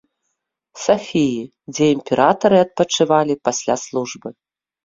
Сафіі, дзе імператары адпачывалі пасля службы.